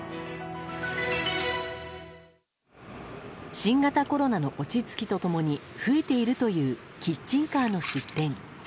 新型コロナの落ち着きと共に増えているというキッチンカーの出店。